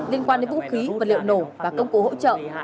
liên quan đến vũ khí và liệu nổ và công cụ ủi trợ